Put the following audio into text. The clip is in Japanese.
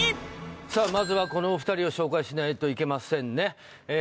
さあまずはこのお二人を紹介しないといけませんね